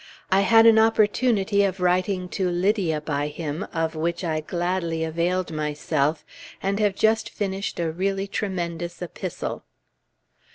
I had an opportunity of writing to Lydia by him, of which I gladly availed myself, and have just finished a really tremendous epistle.